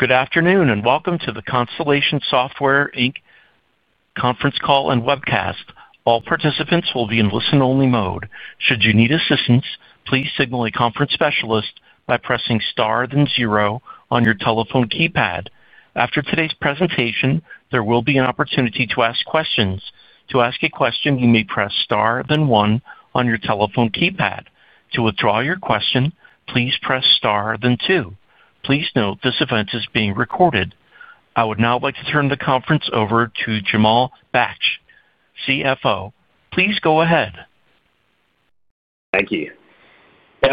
Good afternoon and welcome to the Constellation Software Inc Conference Call and Webcast. All participants will be in listen-only mode. Should you need assistance, please signal a conference specialist by pressing star then zero on your telephone keypad. After today's presentation, there will be an opportunity to ask questions. To ask a question, you may press star then one on your telephone keypad. To withdraw your question, please press star then two. Please note this event is being recorded. I would now like to turn the conference over to Jamal Baksh, CFO. Please go ahead. Thank you.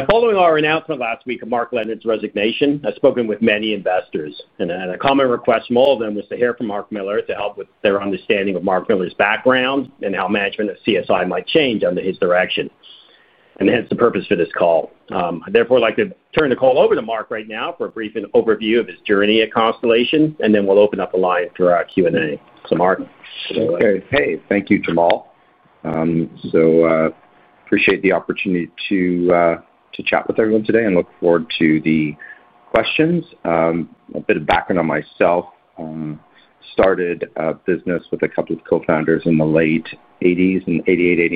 Following our announcement last week of Mark Leonard's resignation, I've spoken with many investors, and a common request from all of them was to hear from Mark Miller to help with their understanding of Mark Miller's background and how management of CSI might change under his direction. That is the purpose for this call. I'd therefore like to turn the call over to Mark right now for a brief overview of his journey at Constellation Software Inc., and then we'll open up the line for our Q&A. Mark. Thank you, Jamal. I appreciate the opportunity to chat with everyone today and look forward to the questions. A bit of background on myself. I started a business with a couple of co-founders in the late 1980s, in 1988,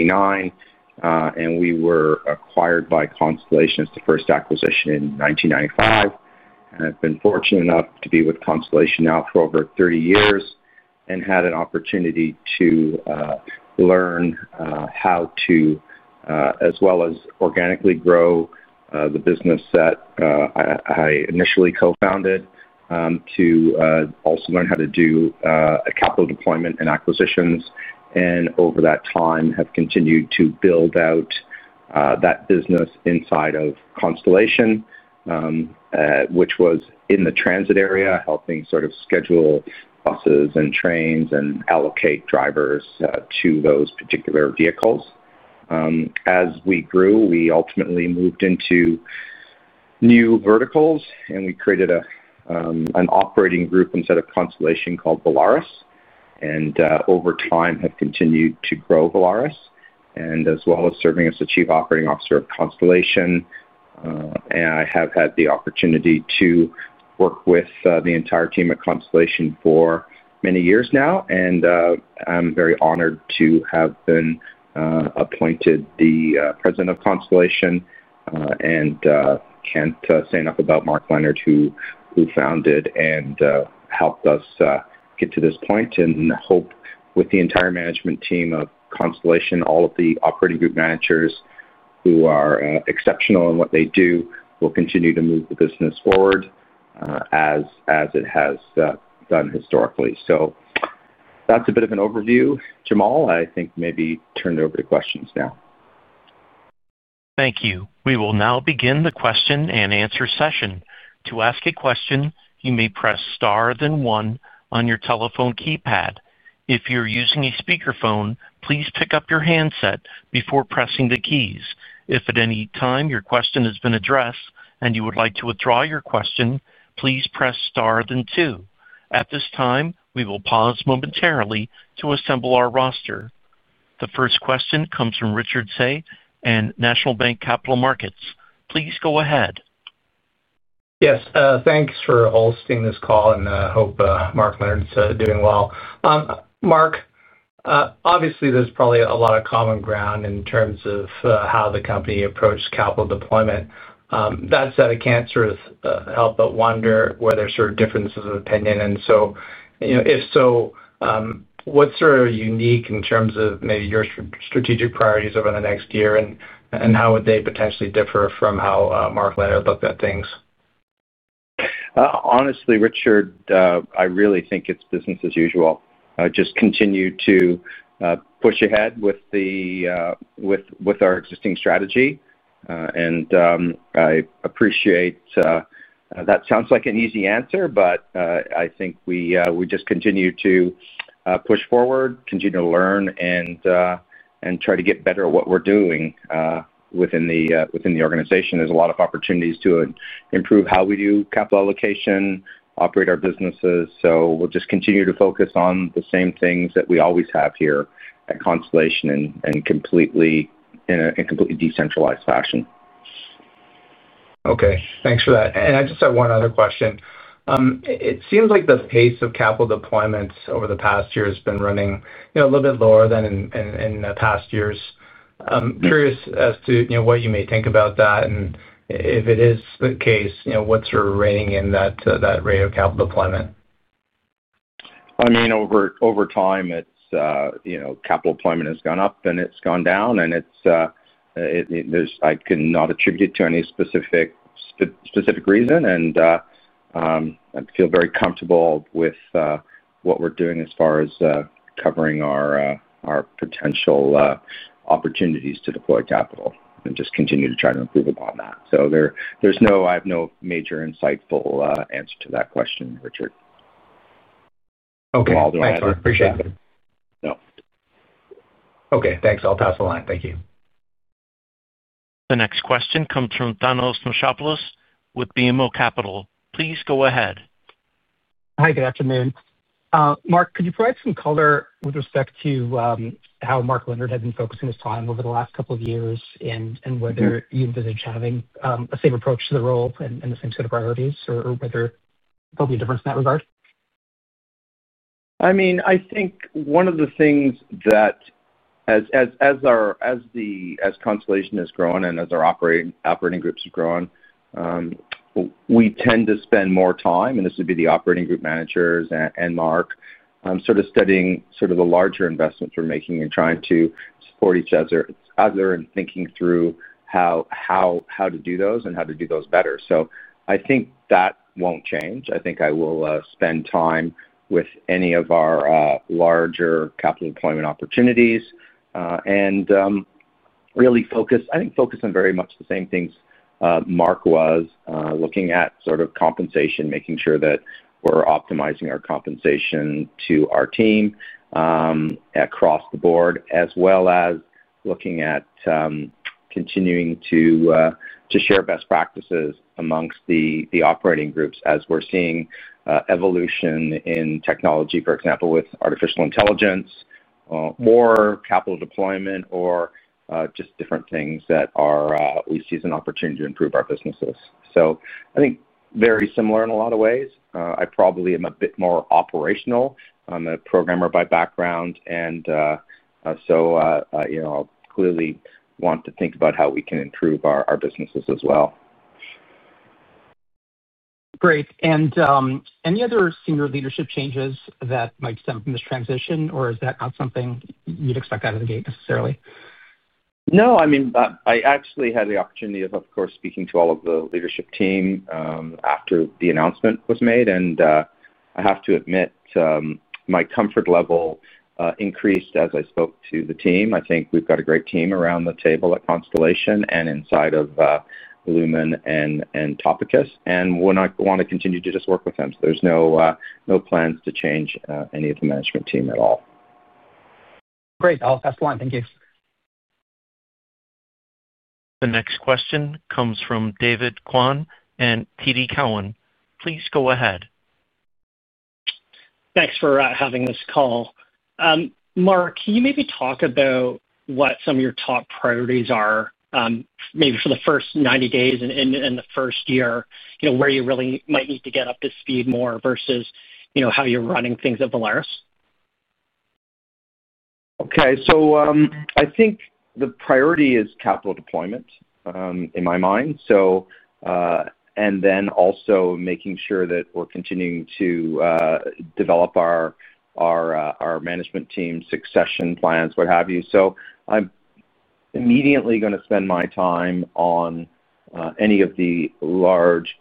1989. We were acquired by Constellation as the first acquisition in 1995. I've been fortunate enough to be with Constellation Software Inc. now for over 30 years and had an opportunity to learn how to, as well as organically grow, the business that I initially co-founded, to also learn how to do capital deployment and acquisitions. Over that time, have continued to build out that business inside of Constellation which was in the transit area, helping sort of schedule buses and trains and allocate drivers to those particular vehicles. As we grew, we ultimately moved into new verticals, and we created an operating group inside of Constellation called Volaris, and over time have continued to grow Volaris. As well as serving as the Chief Operating Officer at Constellation. I have had the opportunity to work with the entire team at Constellation for many years now. I'm very honored to have been appointed the President of Constellation and can't say enough about Mark Leonard, who founded and helped us get to this point. I hope with the entire management team of Constellation all of the operating group managers who are exceptional in what they do, will continue to move the business forward, as it has done historically. That's a bit of an overview, Jamal. I think maybe turn it over to questions now. Thank you. We will now begin the question and answer session. To ask a question, you may press star then one on your telephone keypad. If you're using a speakerphone, please pick up your handset before pressing the keys. If at any time your question has been addressed and you would like to withdraw your question, please press star then two. At this time, we will pause momentarily to assemble our roster. The first question comes from Richard Tsay at National Bank Capital Markets. Please go ahead. Yes, thanks for hosting this call, and I hope Mark Leonard's doing well. Mark, obviously, there's probably a lot of common ground in terms of how the company approached capital deployment. That said, I can't help but wonder where there's differences of opinion. If so, what's unique in terms of maybe your strategic priorities over the next year and how would they potentially differ from how Mark Leonard looked at things? Honestly, Richard, I really think it's business as usual. Just continue to push ahead with our existing strategy. I appreciate that sounds like an easy answer, but I think we just continue to push forward, continue to learn, and try to get better at what we're doing within the organization. There's a lot of opportunities to improve how we do capital allocation, operate our businesses. We'll just continue to focus on the same things that we always have here at Constellation in a completely decentralized fashion. Okay, thanks for that. I just have one other question. It seems like the pace of capital deployment over the past year has been running a little bit lower than in the past years. I'm curious as to what you may think about that. If it is the case, what's your rating in that rate of capital deployment? Over time, capital deployment has gone up and it's gone down. I cannot attribute it to any specific reason. I feel very comfortable with what we're doing as far as covering our potential opportunities to deploy capital and just continue to try to improve upon that. I have no major insightful answer to that question, Richard. Okay, I appreciate it. No. Okay, thanks. I'll pass the line. Thank you. The next question comes from Thanos Nishapulos with BMO Capital. Please go ahead. Hi, good afternoon. Mark, could you provide some color with respect to how Mark Leonard had been focusing his time over the last couple of years, and whether you envisage having the same approach to the role and the same set of priorities, or whether there'll be a difference in that regard? I think one of the things that, as Constellation has grown and as our operating groups have grown, we tend to spend more time, and this would be the operating group managers and Mark, studying the larger investments we're making and trying to support each other and thinking through how to do those and how to do those better. I think that won't change. I will spend time with any of our larger capital deployment opportunities and really focus on very much the same things Mark was looking at, compensation, making sure that we're optimizing our compensation to our team across the board, as well as looking at continuing to share best practices amongst the operating groups as we're seeing evolution in technology, for example, with artificial intelligence, more capital deployment, or just different things that we see as an opportunity to improve our businesses. I think very similar in a lot of ways. I probably am a bit more operational. I'm a programmer by background, and I'll clearly want to think about how we can improve our businesses as well. Are there any other Senior Leadership changes that might stem from this transition, or is that not something you'd expect out of the gate necessarily? I actually had the opportunity, of course, speaking to all of the leadership team after the announcement was made. I have to admit my comfort level increased as I spoke to the team. I think we've got a great team around the table at Constellation and inside of Lumen and Topicus. I want to continue to just work with them. There's no plans to change any of the management team at all. Great, I'll pass the line. Thank you. The next question comes from David Kwan in TD Cowen. Please go ahead. Thanks for having this call. Mark, can you maybe talk about what some of your top priorities are for the first 90 days and the first year, where you really might need to get up to speed more versus how you're running things at Volaris? Okay, I think the priority is capital deployment in my mind, and then also making sure that we're continuing to develop our management team succession plans, what have you. I'm immediately going to spend my time on any of the large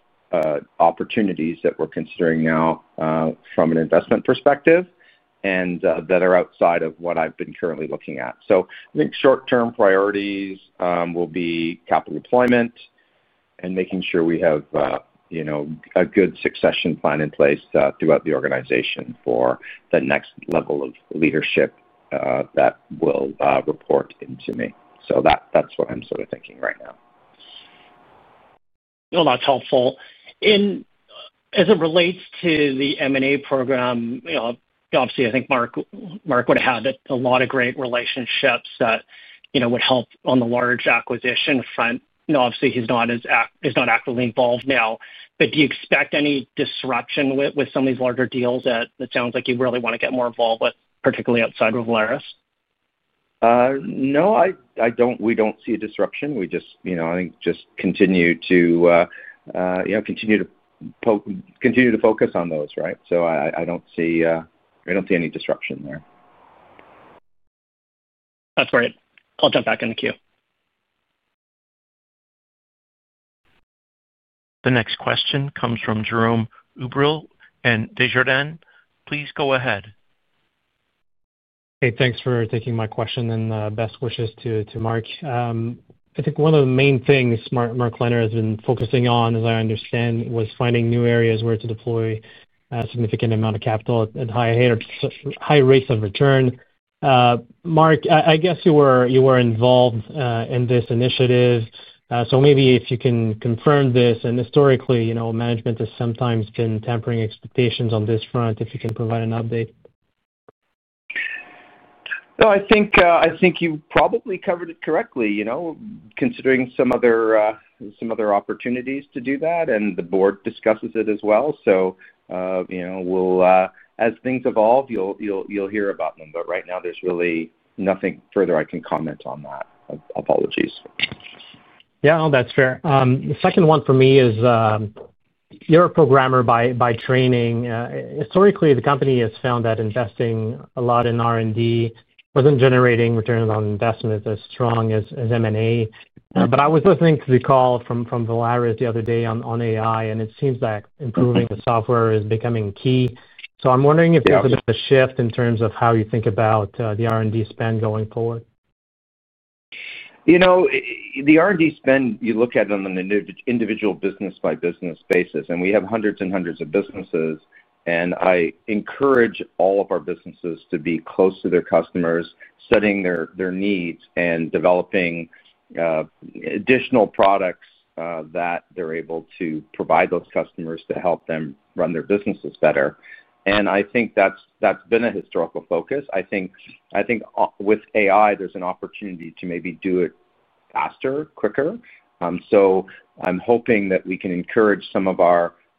opportunities that we're considering now from an investment perspective and that are outside of what I've been currently looking at. I think short-term priorities will be capital deployment and making sure we have, you know, a good succession plan in place throughout the organization for the next level of leadership that will report into me. That's what I'm sort of thinking right now. No, that's helpful. As it relates to the M&A program, I think Mark would have a lot of great relationships that would help on the large acquisition front. Now, obviously, he's not actively involved now. Do you expect any disruption with some of these larger deals that sounds like you really want to get more involved with, particularly outside of Volaris? No, I don't. We don't see a disruption. I think just continue to focus on those, right? I don't see any disruption there. That's great. I'll jump back in the queue. The next question comes from Jerome Ubrill at Desjardins. Please go ahead. Hey, thanks for taking my question and the best wishes to Mark. I think one of the main things Mark has been focusing on, as I understand, was finding new areas where to deploy a significant amount of capital at high rates of return. Mark, I guess you were involved in this initiative. If you can confirm this, and historically, you know, management has sometimes been tampering expectations on this front, if you can provide an update. No, I think you probably covered it correctly, considering some other opportunities to do that, and the board discusses it as well. As things evolve, you'll hear about them. Right now, there's really nothing further I can comment on that. Apologies. Yeah, no, that's fair. The second one for me is you're a programmer by training. Historically, the company has found that investing a lot in R&D wasn't generating returns on investment as strong as M&A. I was listening to the call from Volaris the other day on AI, and it seems like improving the software is becoming key. I'm wondering if there's a bit of a shift in terms of how you think about the R&D spend going forward. The R&D spend, you look at it on an individual business-by-business basis, and we have hundreds and hundreds of businesses. I encourage all of our businesses to be close to their customers, studying their needs, and developing additional products that they're able to provide those customers to help them run their businesses better. I think that's been a historical focus. I think with AI, there's an opportunity to maybe do it faster, quicker. I'm hoping that we can encourage some of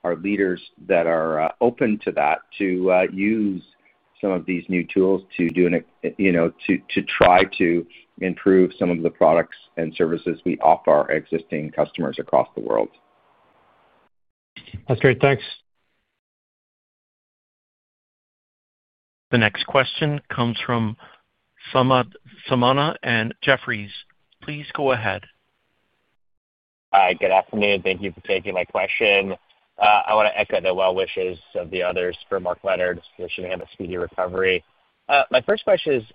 our leaders that are open to that to use some of these new tools to try to improve some of the products and services we offer our existing customers across the world. That's great. Thanks. The next question comes from Samana at Jefferies. Please go ahead. Hi, good afternoon. Thank you for taking my question. I want to echo the well wishes of the others for Mark Leonard's initiative and the speedy recovery. My first question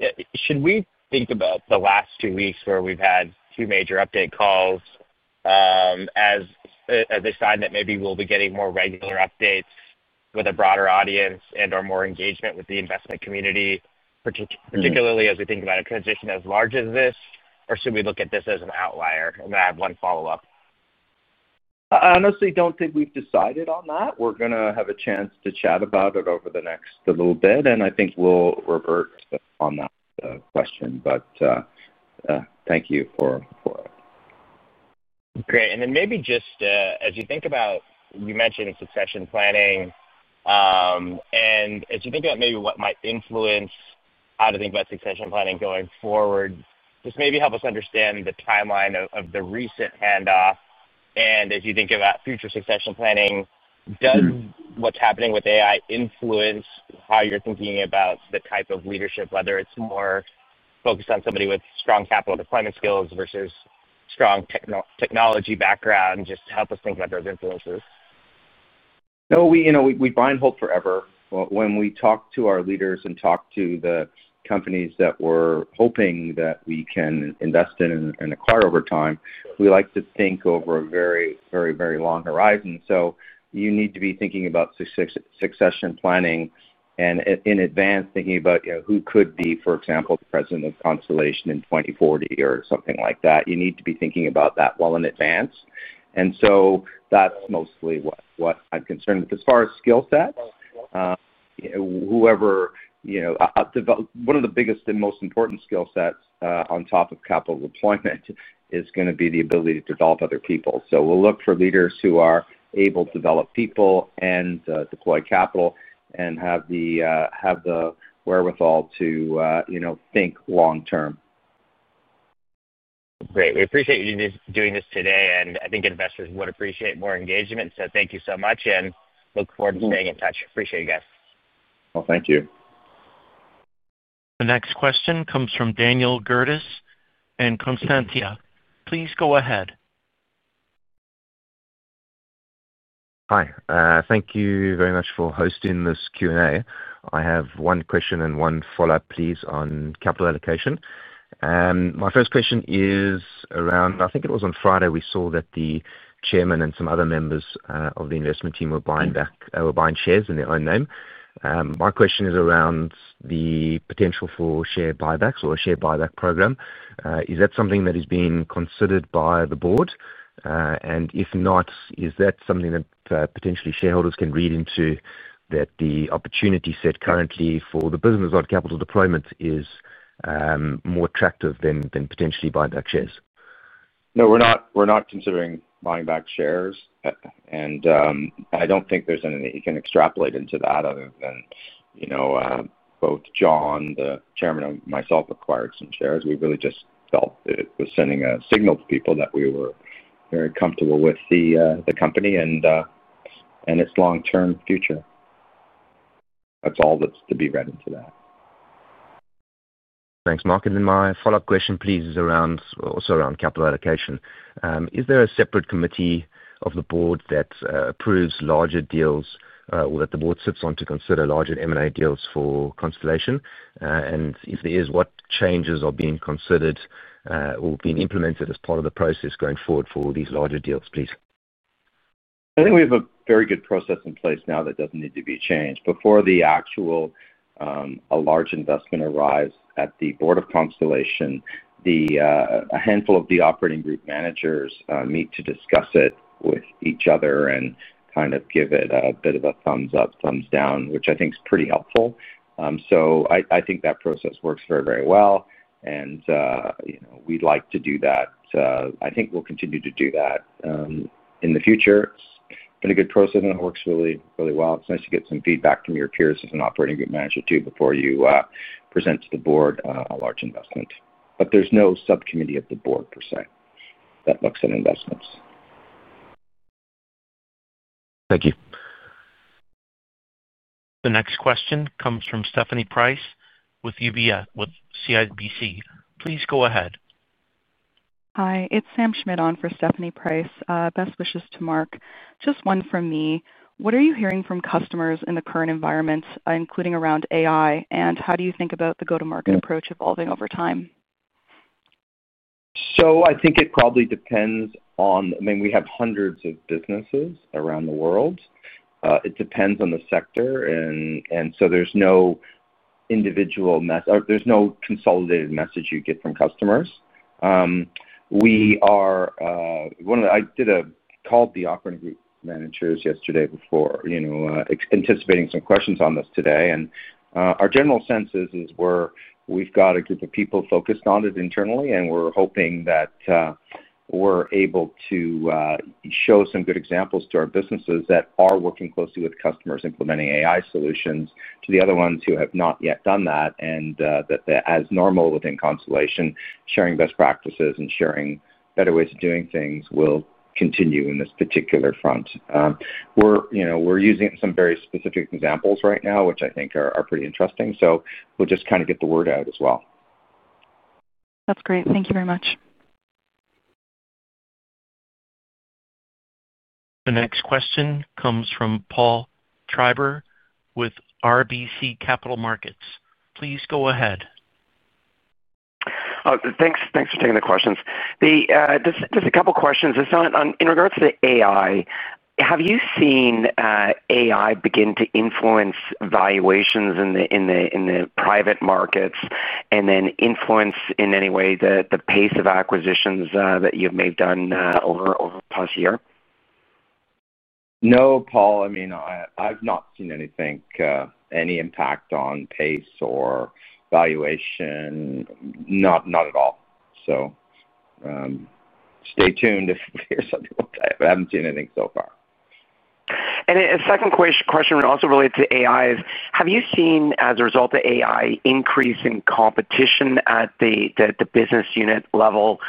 is, should we think about the last two weeks where we've had two major update calls as a sign that maybe we'll be getting more regular updates with a broader audience and/or more engagement with the investment community, particularly as we think about a transition as large as this, or should we look at this as an outlier? I have one follow-up. I honestly don't think we've decided on that. We're going to have a chance to chat about it over the next little bit, and I think we'll revert on that question. Thank you for it. Great. As you think about, you mentioned succession planning. As you think about maybe what might influence how to think about succession planning going forward, just maybe help us understand the timeline of the recent handoff. As you think about future succession planning, does what's happening with AI influence how you're thinking about the type of leadership, whether it's more focused on somebody with strong capital deployment skills versus strong technology background, just to help us think about those influences? No, we bind hope forever. When we talk to our leaders and talk to the companies that we're hoping that we can invest in and acquire over time, we like to think over a very, very, very long horizon. You need to be thinking about succession planning in advance, thinking about who could be, for example, the President of Constellation in 2040 or something like that. You need to be thinking about that well in advance. That's mostly what I'm concerned with. As far as skill sets, one of the biggest and most important skill sets on top of capital deployment is going to be the ability to develop other people. We'll look for leaders who are able to develop people and deploy capital and have the wherewithal to think long term. Great. We appreciate you doing this today. I think investors would appreciate more engagement. Thank you so much, and look forward to staying in touch. Appreciate you guys. Thank you. The next question comes from Daniel Gerdes in Constellation. Please go ahead. Hi. Thank you very much for hosting this Q&A. I have one question and one follow-up, please, on capital allocation. My first question is around, I think it was on Friday, we saw that the Chairman and some other members of the investment team were buying shares in their own name. My question is around the potential for share buybacks or a share buyback program. Is that something that is being considered by the board? If not, is that something that potentially shareholders can read into, that the opportunity set currently for the business on capital deployment is more attractive than potentially buying back shares? No, we're not considering buying back shares. I don't think there's any, you can extrapolate into that other than, you know, both John, the Chairman, and myself acquired some shares. We really just felt it was sending a signal to people that we were very comfortable with the company and its long-term future. That's all that's to be read into that. Thanks, Mark. My follow-up question is also around capital allocation. Is there a separate committee of the board that approves larger deals or that the board sits on to consider larger M&A deals for Constellation? If there is, what changes are being considered or being implemented as part of the process going forward for these larger deals? I think we have a very good process in place now that doesn't need to be changed. Before the actual large investment arrives at the board of Constellation, a handful of the operating group managers meet to discuss it with each other and kind of give it a bit of a thumbs up, thumbs down, which I think is pretty helpful. I think that process works very, very well and we'd like to do that. I think we'll continue to do that in the future. It's been a good process and it works really, really well. It's nice to get some feedback from your peers as an operating group manager, too, before you present to the board a large investment. There is no subcommittee of the board per se that looks at investments. Thank you. The next question comes from Stephanie Price with CIBC. Please go ahead. Hi, it's Sam Schmidt on for Stephanie Price. Best wishes to Mark. Just one from me. What are you hearing from customers in the current environment, including around AI, and how do you think about the go-to-market approach evolving over time? I think it probably depends on, I mean, we have hundreds of businesses around the world. It depends on the sector, and there's no individual message or consolidated message you get from customers. We are, one of the, I did a call with the operating group managers yesterday before, you know, anticipating some questions on this today. Our general sense is we've got a group of people focused on it internally, and we're hoping that we're able to show some good examples to our businesses that are working closely with customers implementing AI solutions, the other ones who have not yet done that, and that as normal within Constellation, sharing best practices and sharing better ways of doing things will continue in this particular front. We're using some very specific examples right now, which I think are pretty interesting. We'll just kind of get the word out as well. That's great. Thank you very much. The next question comes from Paul Treiber with RBC Capital Markets. Please go ahead. Thanks. Thanks for taking the questions. Just a couple of questions. In regards to artificial intelligence, have you seen artificial intelligence begin to influence valuations in the private markets, and then influence in any way the pace of acquisitions that you may have done over the past year? No, Paul. I mean, I've not seen anything, any impact on pace or valuation. Not at all. Stay tuned if there's something else. I haven't seen anything so far. A second question also related to AI is, have you seen as a result of AI an increase in competition at the business unit level,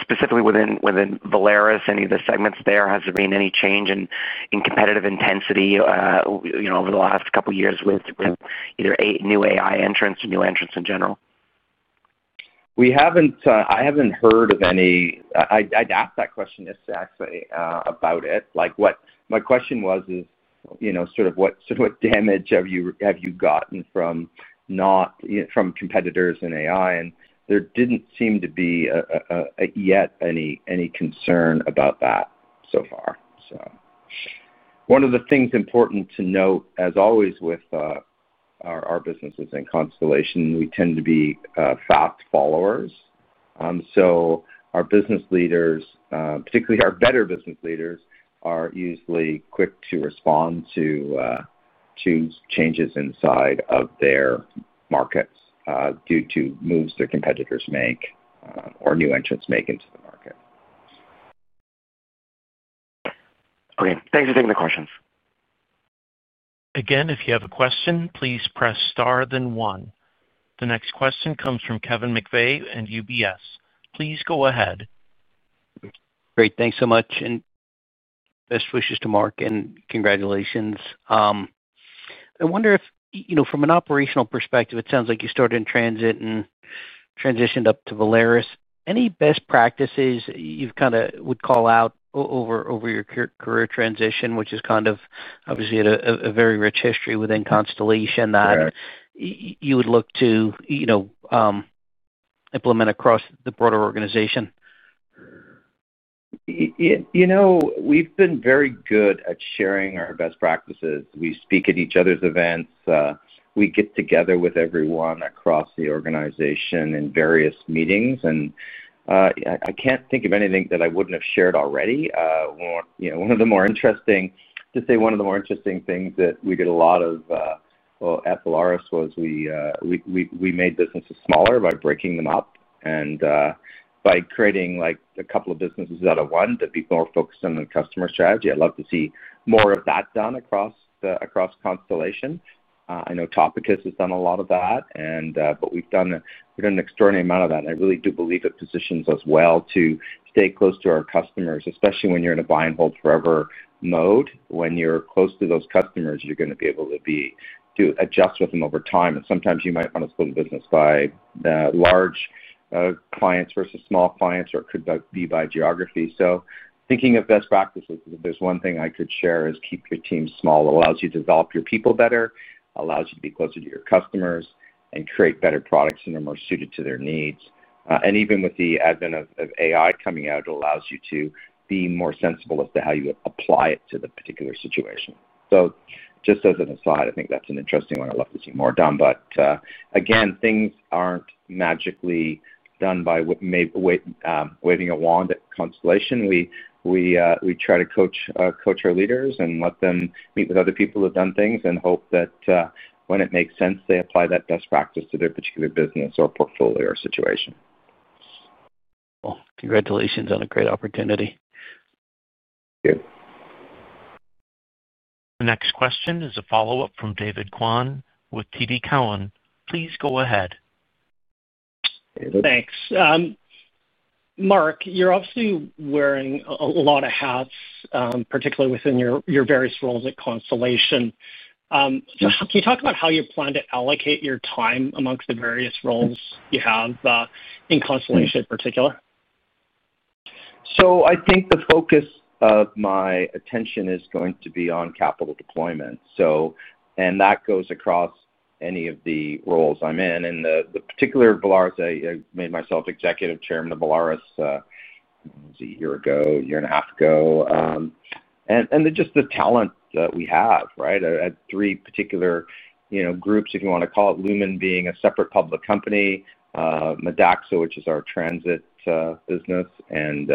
specifically within Volaris, any of the segments there? Has there been any change in competitive intensity over the last couple of years with either new AI entrants or new entrants in general? I haven't heard of any. I asked that question yesterday, actually, about it. What my question was is, you know, sort of what damage have you gotten from competitors in AI? There didn't seem to be yet any concern about that so far. One of the things important to note, as always, with our businesses in Constellation, we tend to be fast followers. Our business leaders, particularly our better business leaders, are usually quick to respond to changes inside of their markets due to moves their competitors make or new entrants make into the market. Great, thank you for taking the questions. Again, if you have a question, please press star then one. The next question comes from Kevin McVey at UBS. Please go ahead. Great, thanks so much. Best wishes to Mark and congratulations. I wonder if, from an operational perspective, it sounds like you started in transit and transitioned up to Volaris. Any best practices you would call out over your career transition, which is obviously a very rich history within Constellation that you would look to implement across the broader organization? We've been very good at sharing our best practices. We speak at each other's events. We get together with everyone across the organization in various meetings. I can't think of anything that I wouldn't have shared already. One of the more interesting things that we did a lot of at Volaris was we made businesses smaller by breaking them up and by creating a couple of businesses out of one that would be more focused on the customer strategy. I'd love to see more of that done across Constellation. I know Topicus has done a lot of that, but we've done an extraordinary amount of that. I really do believe it positions us well to stay close to our customers, especially when you're in a buy and hold forever mode. When you're close to those customers, you're going to be able to adjust with them over time. Sometimes you might want to split the business by large clients versus small clients, or it could be by geography. Thinking of best practices, if there's one thing I could share, it is keep your team small. It allows you to develop your people better, allows you to be closer to your customers, and create better products that are more suited to their needs. Even with the advent of AI coming out, it allows you to be more sensible as to how you apply it to the particular situation. Just as an aside, I think that's an interesting one. I'd love to see more done. Things aren't magically done by waving a wand at Constellation. We try to coach our leaders and let them meet with other people who have done things and hope that when it makes sense, they apply that best practice to their particular business or portfolio or situation. Congratulations on a great opportunity. Thank you. The next question is a follow-up from David Kwan with TD Cowen. Please go ahead. Thanks. Mark, you're obviously wearing a lot of hats, particularly within your various roles at Constellation. Can you talk about how you plan to allocate your time amongst the various roles you have in Constellation in particular? I think the focus of my attention is going to be on capital deployment, and that goes across any of the roles I'm in. In particular, Volaris, I made myself Executive Chairman of Volaris a year ago, a year and a half ago. Just the talent that we have, right? I had three particular groups, if you want to call it, Lumen being a separate public company, Madaxo, which is our transit business, and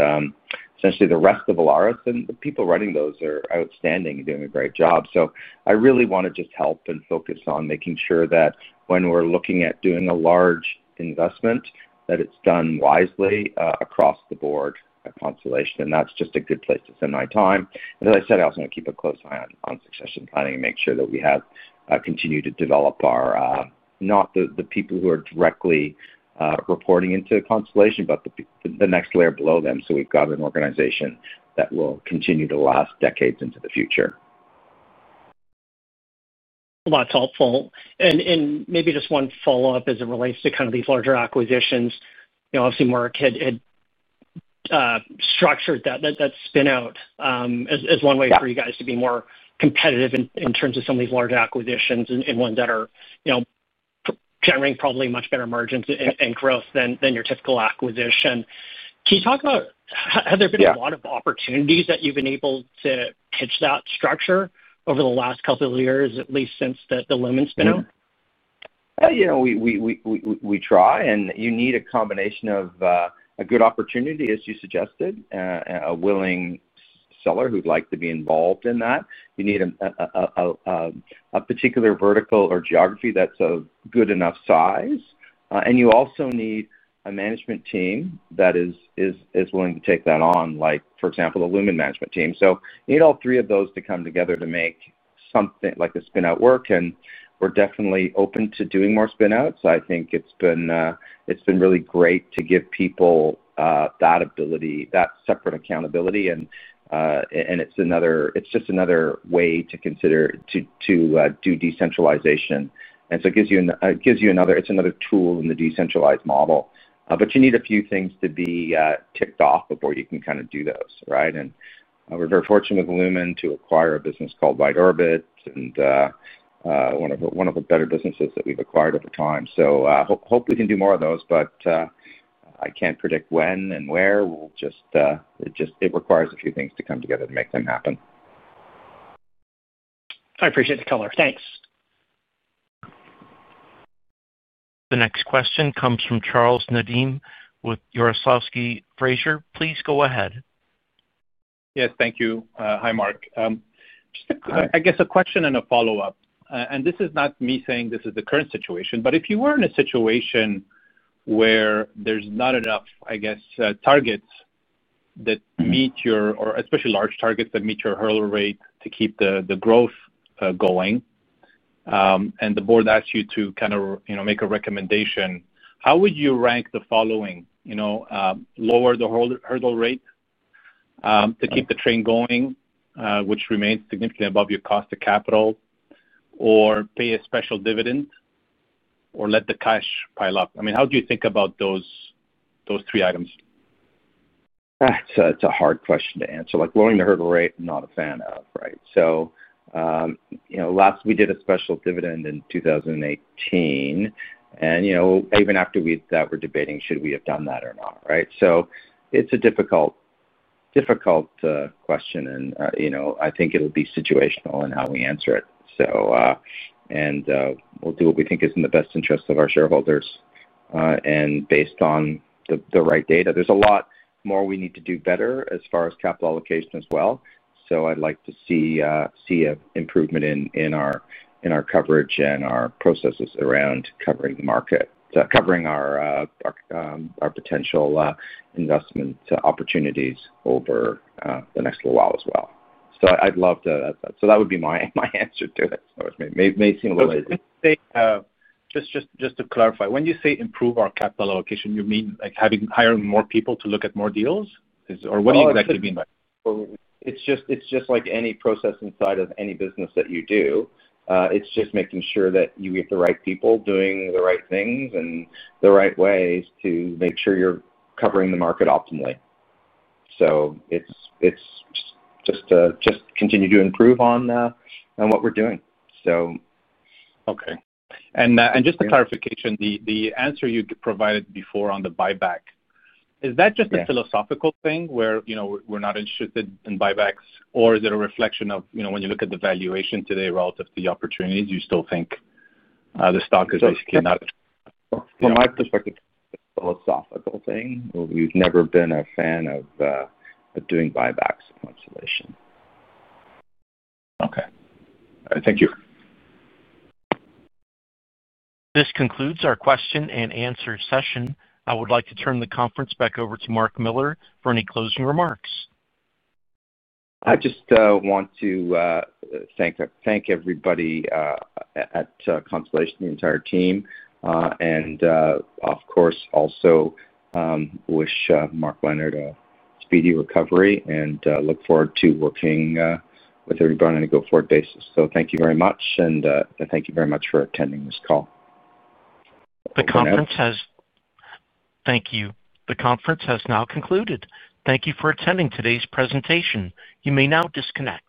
essentially the rest of Volaris. The people running those are outstanding and doing a great job. I really want to just help and focus on making sure that when we're looking at doing a large investment, that it's done wisely across the board at Constellation Software Inc. That's just a good place to spend my time. I also want to keep a close eye on succession planning and make sure that we have continued to develop our, not the people who are directly reporting into Constellation but the next layer below them. We've got an organization that will continue to last decades into the future. That's helpful. Maybe just one follow-up as it relates to kind of these larger acquisitions. Obviously, Mark had structured that spin-out as one way for you guys to be more competitive in terms of some of these larger acquisitions and ones that are, you know, generating probably much better margins and growth than your typical acquisition. Can you talk about, have there been a lot of opportunities that you've been able to pitch that structure over the last couple of years, at least since the Lumen spin-out? You know, we try, and you need a combination of a good opportunity, as you suggested, and a willing seller who'd like to be involved in that. You need a particular vertical or geography that's of good enough size. You also need a management team that is willing to take that on, like for example, the Lumen management team. You need all three of those to come together to make something like a spin-out work. We're definitely open to doing more spin-outs. I think it's been really great to give people that ability, that separate accountability. It's just another way to consider to do decentralization. It gives you another, it's another tool in the decentralized model. You need a few things to be ticked off before you can kind of do those, right? We're very fortunate with Lumen to acquire a business called Widerbit, and one of the better businesses that we've acquired over time. Hopefully, we can do more of those, but I can't predict when and where. It just requires a few things to come together to make them happen. I appreciate the color. Thanks. The next question comes from Charles Nadim with Jarislowsky Fraser. Please go ahead. Yes, thank you. Hi, Mark. I guess a question and a follow-up. If you were in a situation where there's not enough, I guess, targets that meet your, or especially large targets that meet your hurdle rate to keep the growth going, and the board asks you to make a recommendation, how would you rank the following? Lower the hurdle rate to keep the train going, which remains significantly above your cost of capital, or pay a special dividend, or let the cash pile up? How do you think about those three items? It's a hard question to answer. Like lowering the hurdle rate, not a fan of, right? Last we did a special dividend in 2018, and even after we did that, we're debating, should we have done that or not, right? It's a difficult question. I think it'll be situational in how we answer it. We'll do what we think is in the best interest of our shareholders. Based on the right data, there's a lot more we need to do better as far as capital allocation as well. I'd like to see an improvement in our coverage and our processes around covering the market, covering our potential investment opportunities over the next little while as well. That would be my answer to it. It may seem a little lazy. Just to clarify, when you say improve our capital allocation, you mean like having hire more people to look at more deals? Or what do you exactly mean by that? It's just like any process inside of any business that you do. It's just making sure that you get the right people doing the right things in the right ways to make sure you're covering the market optimally. It's just to continue to improve on what we're doing. Okay. Just a clarification, the answer you provided before on the buyback, is that just a philosophical thing where, you know, we're not interested in buybacks, or is it a reflection of, you know, when you look at the valuation today relative to the opportunities, you still think the stock is basically not as good? From my perspective, it's a philosophical thing. We've never been a fan of doing share buybacks in Constellation. Okay, thank you. This concludes our question and answer session. I would like to turn the conference back over to Mark Miller for any closing remarks. I just want to thank everybody at Constellation, the entire team, and of course, also wish Mark Leonard a speedy recovery and look forward to working with everybody on a go-forward basis. Thank you very much, and thank you very much for attending this call. Thank you. The conference has now concluded. Thank you for attending today's presentation. You may now disconnect.